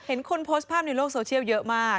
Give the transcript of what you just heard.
คนโพสต์ภาพในโลกโซเชียลเยอะมาก